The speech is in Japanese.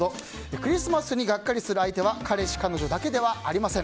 クリスマスにガッカリする相手は、彼氏・彼女だけではありません。